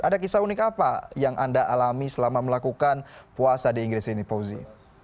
ada kisah unik apa yang anda alami selama melakukan puasa di inggris ini fauzi